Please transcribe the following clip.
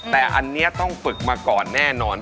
แต่อันนี้ต้องฝึกมาก่อนแน่นอน